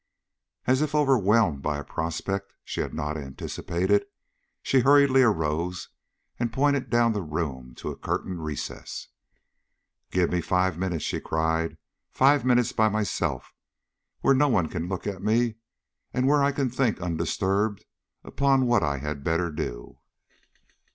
As if overwhelmed by a prospect she had not anticipated, she hurriedly arose and pointed down the room to a curtained recess. "Give me five minutes," she cried; "five minutes by myself where no one can look at me, and where I can think undisturbed upon what I had better do."